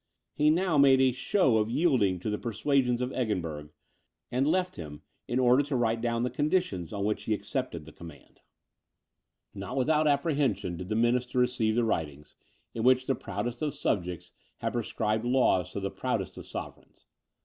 He now made a show of yielding to the persuasions of Eggenberg; and left him, in order to write down the conditions on which he accepted the command. Not without apprehension, did the minister receive the writing, in which the proudest of subjects had prescribed laws to the proudest of sovereigns.